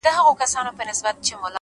هره لاسته راوړنه د صبر له لارې راځي’